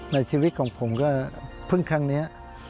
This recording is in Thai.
ในชีวิตของผมก็เพิ่งครั้งนี้